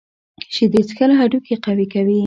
شیدې څښل هډوکي قوي کوي.